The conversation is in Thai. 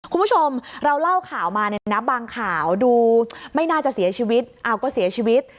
คุณผู้ชมเราเล่าข่าวมาเนี่ยนะบางข่าวดูไม่น่าจะเสียชีวิตเอาก็เสียชีวิต